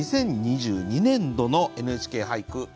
２０２２年度の「ＮＨＫ俳句」